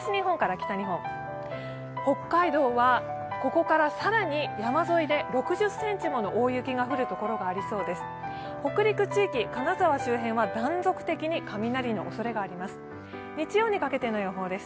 北海道はここから更に山沿いで６０ｃｍもの大雪が降る所がありそうです。